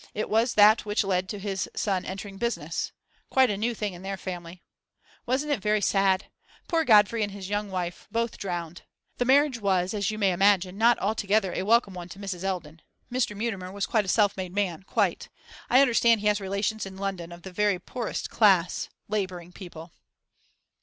It was that which led to his son entering business quite a new thing in their family. Wasn't it very sad? Poor Godfrey and his young wife both drowned! The marriage was, as you may imagine, not altogether a welcome one to Mrs. Eldon; Mr. Mutimer was quite a self made man, quite. I understand he has relations in London of the very poorest class labouring people.